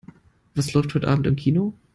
Was läuft heute Abend im Kino?